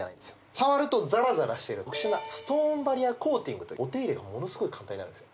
触るとザラザラしてる特殊なストーンバリアコーティングというお手入れがものすごい簡単になるんですよ